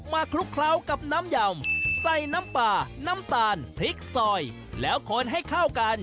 คลุกเคล้ากับน้ำยำใส่น้ำปลาน้ำตาลพริกซอยแล้วคนให้เข้ากัน